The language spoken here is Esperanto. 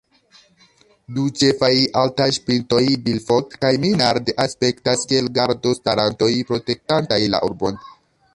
Du ĉefaj altaĵpintoj Bilfot kaj Minard aspektas kiel gardostarantoj, protektantaj la urbon.